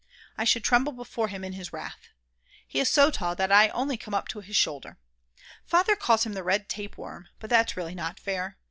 I should tremble before him in his wrath. He is so tall that I only come up to his shoulder. Father calls him the red tapeworm; but that's really not fair.